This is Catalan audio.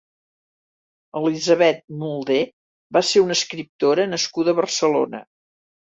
Elisabeth Mulder va ser una escriptora nascuda a Barcelona.